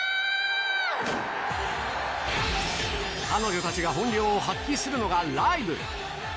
彼女たちが本領を発揮するのが、ライブ。